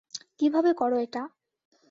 কীভাবে করো এটা?